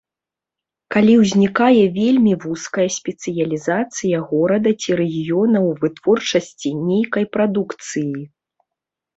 Калі ўзнікае вельмі вузкая спецыялізацыя горада ці рэгіёна ў вытворчасці нейкай прадукцыі.